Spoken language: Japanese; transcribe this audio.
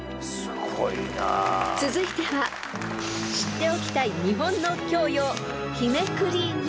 ［続いては知っておきたい日本の教養］